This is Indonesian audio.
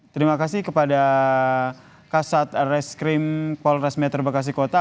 terima kasih kepada kasat reskrim polres metro bekasi kota